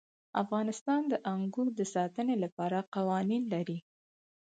افغانستان د انګور د ساتنې لپاره قوانین لري.